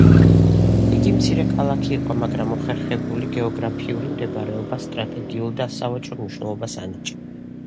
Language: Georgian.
იგი მცირე ქალაქი იყო, მაგრამ მოხერხებული გეოგრაფიული მდებარეობა სტრატეგიულ და სავაჭრო მნიშვნელობას ანიჭებდა.